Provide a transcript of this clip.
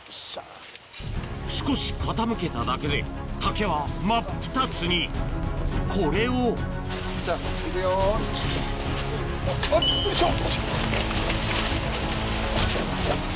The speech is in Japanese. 少し傾けただけで竹は真っ二つにこれをほっよいしょ！